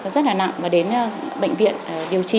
rất là nặng và đến bệnh viện điều trị